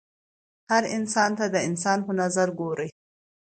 هر انسان ته د انسان په نظر ګوره